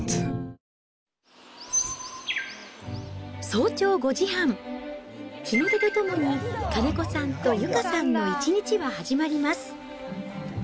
早朝５時半、日の出とともに、金子さんと由佳さんの１日が始まります。